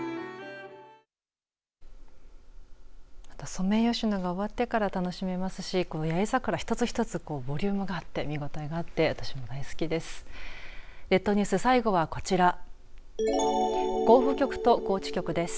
ソメイヨシノが終わってから楽しめますし、この八重桜１つ１つがこうボリュームがあって見応えがあって私も大好きです。